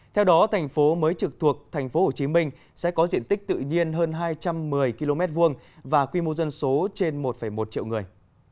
theo đó thành phố mới trực thuộc tp hcm sẽ có diện tích tự nhiên hơn hai trăm một mươi km hai và quy mô dân số trên một một triệu người